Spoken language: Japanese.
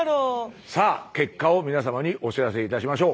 さあ結果を皆様にお知らせいたしましょう。